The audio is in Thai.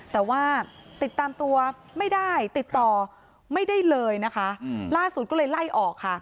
แต่ว่าติดตามตัวไม่ได้ติดต่อไม่ได้เลยนะคะล่าสุดก็เลยไล่ออกค่ะ